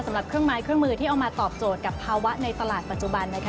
สำหรับเครื่องไม้เครื่องมือที่เอามาตอบโจทย์กับภาวะในตลาดปัจจุบันนะคะ